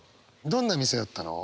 どんな店だったの？